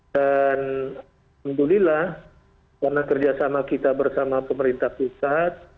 dan menjulilah karena kerjasama kita bersama pemerintah pusat